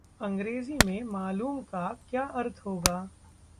अंग्रेजी में“मालूम” का क्या अर्थ होगा